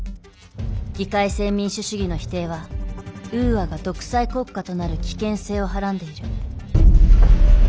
議会制民主主義の否定はウーアが独裁国家となる危険性をはらんでいる。